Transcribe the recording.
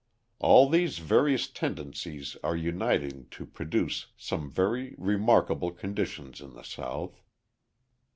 All these various tendencies are uniting to produce some very remarkable conditions in the South.